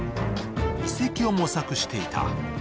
移籍を模索していた。